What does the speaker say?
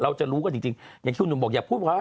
เราจะรู้กันจริงอย่างคุณบอกอย่าพูดว่า๑๕๑๕